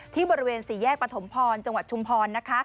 ที่บริเวณสี่แยกปฐมพรจังหวัดชุมพรนะคะ